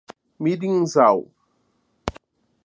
Mirinzal